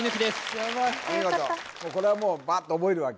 ヤバいこれはもうバッと覚えるわけ？